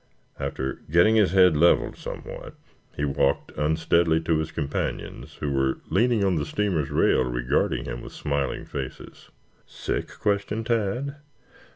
After getting his head leveled somewhat he walked unsteadily to his companions who were leaning on the steamer's rail regarding him with smiling faces. "Sick?" questioned Tad.